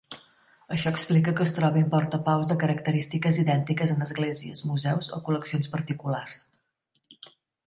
Això explica que es trobin portapaus de característiques idèntiques en esglésies, museus o col·leccions particulars.